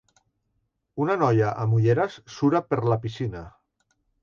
Una noia amb ulleres sura per la piscina.